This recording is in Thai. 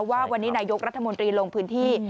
ว่าวันนี้นายกรัฐมนตรีลงพื้นที่